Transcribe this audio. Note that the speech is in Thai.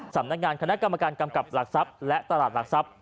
สำนักงานคณะกรรมการกำกับหลักทรัพย์และตลาดหลักทรัพย์